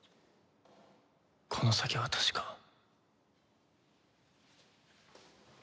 この先は確か